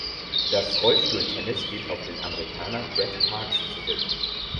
Das Rollstuhltennis geht auf den Amerikaner Brad Parks zurück.